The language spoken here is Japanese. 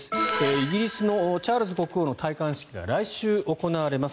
イギリスのチャールズ国王の戴冠式が来週、行われます。